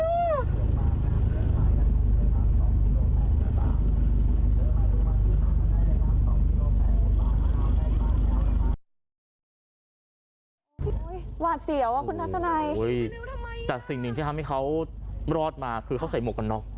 หวาดเสียวอ่ะคุณทัศนัยแต่สิ่งหนึ่งที่ทำให้เขารอดมาคือเขาใส่หมวกกันน็อก